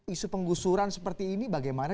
isu penggusuran seperti ini bagaimana